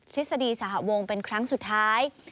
ฤษฎีสหวงเป็นครั้งสุดท้าย